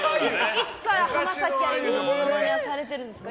いつから浜崎あゆみのモノマネされてるんですか。